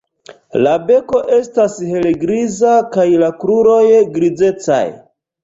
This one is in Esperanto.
La beko estas helgriza kaj la kruroj grizecaj.